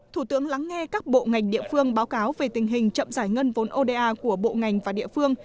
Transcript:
thủ tướng lắng nghe các bộ ngành địa phương báo cáo về tình hình chậm giải ngân vốn oda của bộ ngành và địa phương